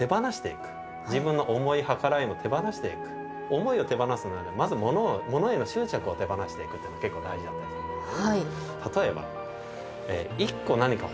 思いを手放すにはまず物への執着を手放していくというのが結構大事だったりするんですね。